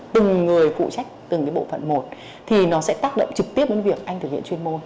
từng người phụ trách từng cái bộ phận một thì nó sẽ tác động trực tiếp đến việc anh thực hiện chuyên môn